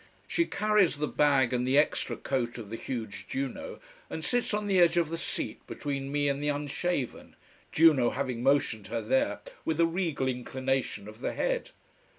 She carries the bag and the extra coat of the huge Juno, and sits on the edge of the seat between me and the unshaven, Juno having motioned her there with a regal inclination of the head.